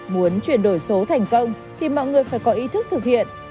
muốn chuyển đổi số thành công thì mọi người phải có ý thức thực hiện